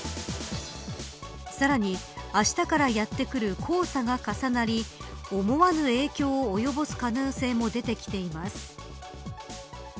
さらに、あしたからやってくる黄砂が重なり思わぬ影響を及ぼす可能性も出てきています。